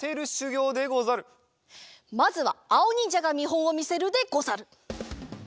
まずはあおにんじゃがみほんをみせるでござる。